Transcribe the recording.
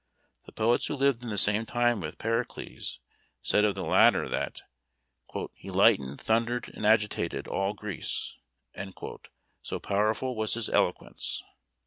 The poets who lived in the same time with Pericles said of the latter that "he lightened, thundered, and agitated all Greece," so powerful was his eloquence.